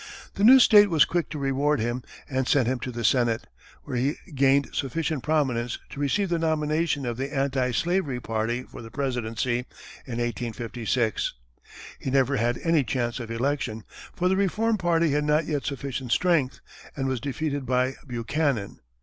The new state was quick to reward him and sent him to the Senate, where he gained sufficient prominence to receive the nomination of the anti slavery party for the presidency in 1856. He never had any chance of election, for the reform party had not yet sufficient strength, and was defeated by Buchanan.